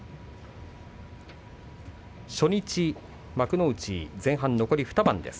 初日、幕内前半残り２番です。